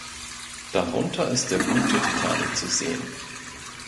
Darunter ist der Bug der "Titanic" zu sehen.